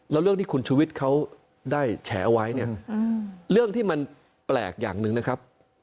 แล้วเรื่องที่คุณชุวิตเขาได้แฉเอาไว้เนี่ยเรื่องที่มันแปลกอย่างหนึ่งนะครับ